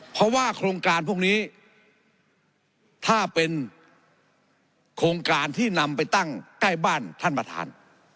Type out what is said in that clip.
เพราะว่าโครงการพวกนี้ถ้าเป็นโครงการที่นำไปตั้งใกล้บ้านท่านประธาน